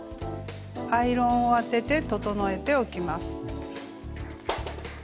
アイロンを当てて整えておきます。